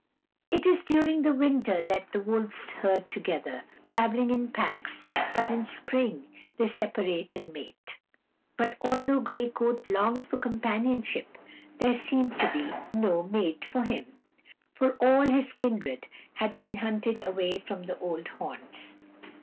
It is during the winter that the wolves herd together, traveling in packs, but in spring they separate and mate. But although Gray Coat longed for companionship, there seemed to be no mate for him, for all his kindred had been hunted away from the old haunts.